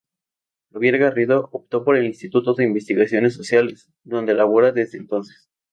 Javier Garrido optó por el Instituto de Investigaciones Sociales, donde labora desde entonces.